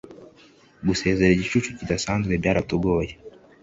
gusezera, igicucu kidasanzwe byaratugoye